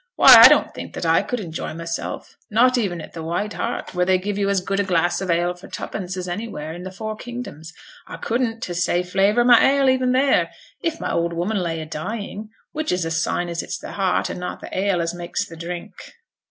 Why, I don't think that I could enjoy myself not even at th' White Hart, where they give you as good a glass of ale for twopence as anywhere i' th' four kingdoms I couldn't, to say, flavour my ale even there, if my old woman lay a dying; which is a sign as it's the heart, and not the ale, as makes the drink.'